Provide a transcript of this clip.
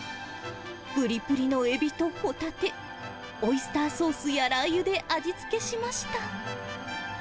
ぷりぷりのエビとホタテ、オイスターソースやラー油で味付けしました。